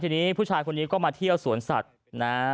ทีนี้ผู้ชายคนนี้ก็มาเที่ยวสวนสัตว์นะ